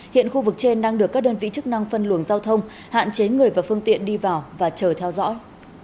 hiện khu vực trên đang được các đơn vị chức năng phân luồng giao thông hạn chế người và phương tiện đi vào và chờ theo dõi